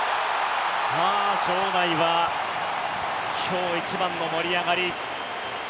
場内は今日一番の盛り上がり。